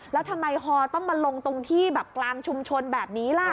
แล้วทำไมฮอต้องมาลงตรงที่แบบกลางชุมชนแบบนี้ล่ะ